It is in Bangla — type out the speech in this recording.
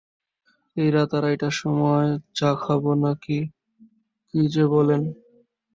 এই রাত আড়াইটার সময় চা খাব নাকি, কী যে বলেন!